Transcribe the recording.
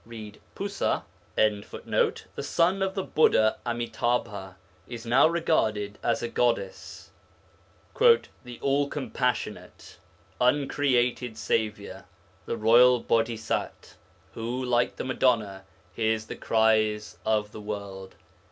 Read pusa.] the son of the Buddha Amitâbha, is now regarded as a goddess, 'the All compassionate, Uncreated Saviour, the Royal Bodhisat, who (like the Madonna) hears the cries of the world.'